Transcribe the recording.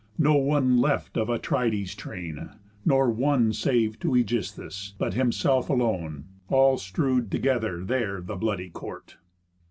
No one left of Atrides' train, nor one Sav'd to Ægisthus, but himself alone, All strew'd together there the bloody court.